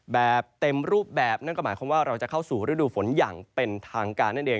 แบบเต็มรูปแบบนั่นก็หมายความว่าเราจะเข้าสู่ฤดูฝนอย่างเป็นทางการนั่นเอง